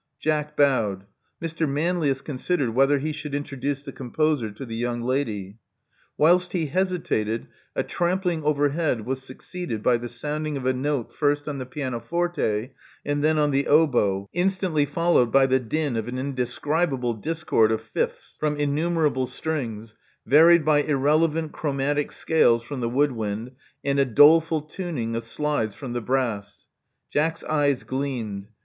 Jack bowed. Mr. Manlius considered whether he should introduce the composer to the young lady. Whilst he hesitated, a trampling overhead was suc ceeded by the sounding of a note first on the piano forte and then on the oboe, instantly followed by the din of an indescribable discord of fifths from innumer able strings, varied by irrelevant chromatic scales from the wood wind, and a doleful tuning of slides from the brass. Jack's eyes gleamed.